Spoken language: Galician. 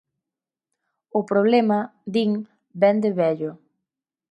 O problema, din, vén de vello.